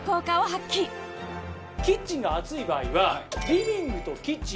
キッチンが暑い場合は。